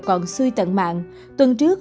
còn suy tận mạng tuần trước